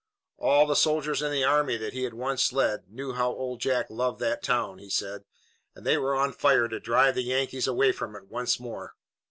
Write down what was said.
"All the soldiers in the army that he had once led knew how Old Jack loved that town," he said, "and they were on fire to drive the Yankees away from it once more.